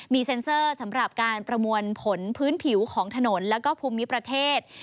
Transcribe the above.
มีเซ็นเซอร์สำหรับการประมวลผลพื้นผิวของถนนแล้วก็ภูมิประเทศ